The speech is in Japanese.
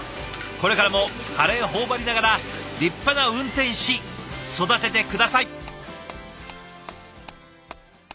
これからもカレー頬張りながら立派な運転士育てて下さい！